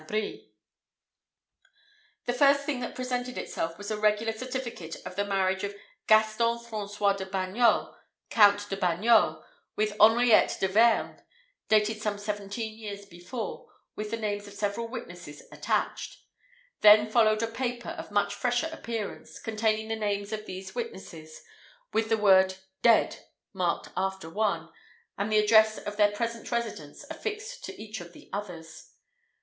The first thing that presented itself was a regular certificate of the marriage of Gaston Francois de Bagnol, Count de Bagnol, with Henriette de Vergne, dated some seventeen years before, with the names of several witnesses attached. Then followed a paper of a much fresher appearance, containing the names of these witnesses, with the word dead marked after one, and the address of their present residence affixed to each of the others.